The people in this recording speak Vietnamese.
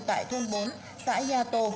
tại thôn bốn xã yato